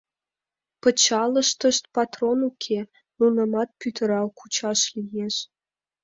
— Пычалыштышт патрон уке, нунымат пӱтырал кучаш лиеш.